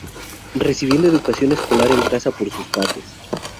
Recibiendo educación escolar en casa por sus padres.